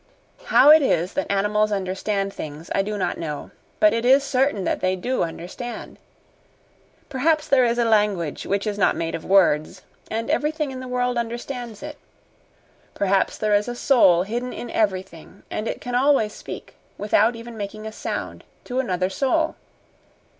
How it is that animals understand things I do not know, but it is certain that they do understand. Perhaps there is a language which is not made of words and everything in the world understands it. Perhaps there is a soul hidden in everything and it can always speak, without even making a sound, to another soul.